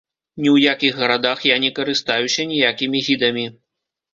Ні ў якіх гарадах я не карыстаюся ніякімі гідамі.